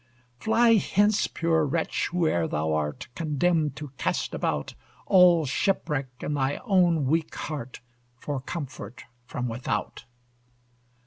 Fly hence, poor wretch, whoe'er thou art, Condemned to cast about, All shipwreck in thy own weak heart, For comfort from without!